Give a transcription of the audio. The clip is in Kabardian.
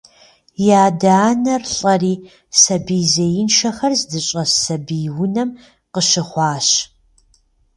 И адэ-анэр лӏэри сабий зеиншэхэр здыщӏэс «сабий унэм» къыщыхъуащ.